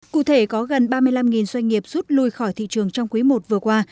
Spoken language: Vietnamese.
cụ thể có gần ba mươi năm doanh nghiệp rút lui khỏi thị trường trong quý i vừa qua